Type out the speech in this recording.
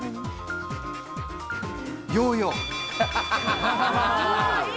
ヨーヨー。